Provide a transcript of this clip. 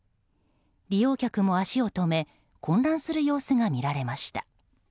利用客も足を止め混乱する様子が見られました。